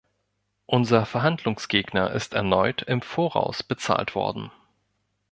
Unser Verhandlungsgegner ist erneut im Voraus bezahlt worden.